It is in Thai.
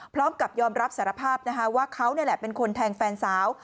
พร้อมกับยอมรับสารภาพนะคะว่าเขานี่แหละเป็นคนแทงแฟนสาว